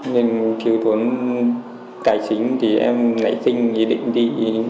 nên thiếu thuấn tài chính thì em lấy sinh ý định đi